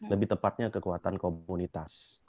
lebih tepatnya kekuatan komunitas